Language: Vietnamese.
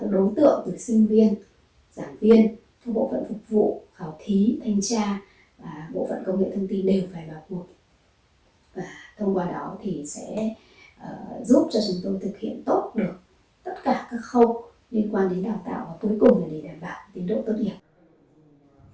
và thông qua đó thì sẽ giúp cho chúng tôi thực hiện tốt được tất cả các khâu liên quan đến đào tạo và cuối cùng là để đảm bảo tiến độ tốt nghiệp